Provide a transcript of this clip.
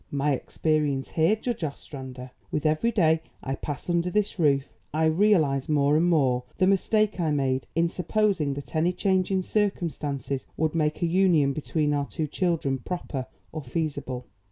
My experience here, Judge Ostrander. With every day I pass under this roof, I realise more and more the mistake I made in supposing that any change in circumstances would make a union between our two children proper or feasible.